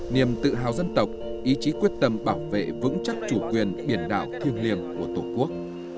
niềm tự hào dân tộc ý chí quyết tâm bảo vệ vững chắc chủ quyền biển đảo thiêng liêng của tổ quốc